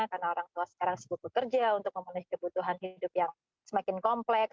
karena orang tua sekarang sebut sebut kerja untuk memenuhi kebutuhan hidup yang semakin kompleks